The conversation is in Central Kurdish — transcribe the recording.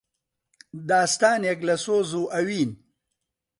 داستانێک لە سۆز و ئەوین